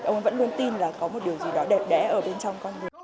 ông vẫn luôn tin là có một điều gì đó đẹp đẽ ở bên trong